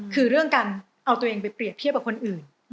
คือเรื่องการเอาตัวเองไปเปรียบเทียบกับคนอื่น